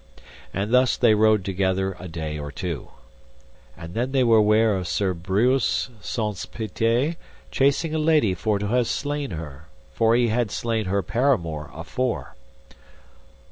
And thus they rode together a day or two. And then they were ware of Sir Breuse Saunce Pité chasing a lady for to have slain her, for he had slain her paramour afore.